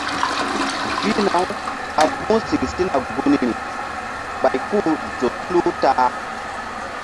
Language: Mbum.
Pihna- uɓa mbu̧h siŋ sina gunri ɓay ku-u zo tulu ta-a.